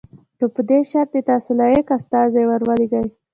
خو په دې شرط چې تاسو لایق استازی ور ولېږئ.